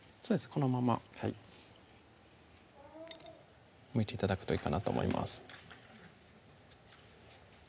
このままむいて頂くといいかなと思います